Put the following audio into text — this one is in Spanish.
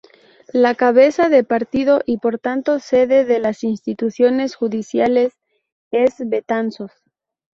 La cabeza de partido y por tanto sede de las instituciones judiciales es Betanzos.